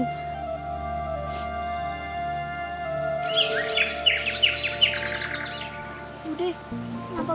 baik kanjeng sunan